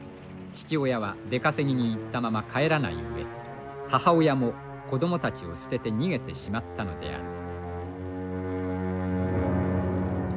父親は出稼ぎに行ったまま帰らない上母親も子どもたちを捨てて逃げてしまったのである」。